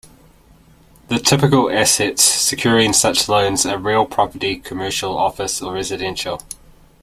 The typical assets securing such loans are real property - commercial, office or residential.